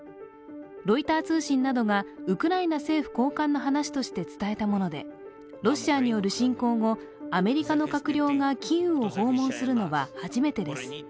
ロイター通信などがウクライナ政府高官の話として伝えたものでロシアによる侵攻後、アメリカの閣僚がキーウを訪問するのは初めてです。